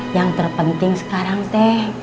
yang terpenting sekarang teh